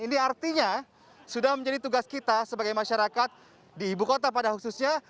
ini artinya sudah menjadi tugas kita sebagai masyarakat di ibu kota pada khususnya